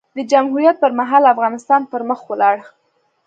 د جمهوریت پر مهال؛ افغانستان پر مخ ولاړ.